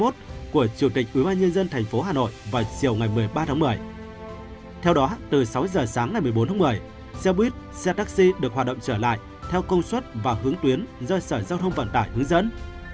theo đó từ sáu giờ sáng ngày một mươi bốn tháng một mươi xe buýt xe taxi được hoạt động trở lại theo công suất và hướng tuyến do sở giao thông vận tải hướng dẫn